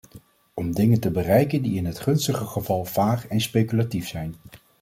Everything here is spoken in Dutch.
Om dingen te bereiken die in het gunstigste geval vaag en speculatief zijn.